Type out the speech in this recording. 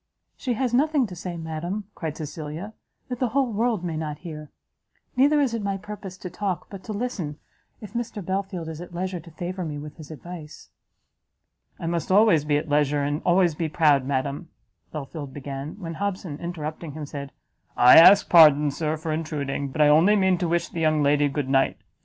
"She has nothing to say, madam," cried Cecilia, "that the whole world may not hear. Neither is it my purpose to talk, but to listen, if Mr Belfield is at leisure to favour me with his advice." "I must always be at leisure, and always be proud, madam," Belfield began, when Hobson, interrupting him, said, "I ask pardon, Sir, for intruding, but I only mean to wish the young lady good night.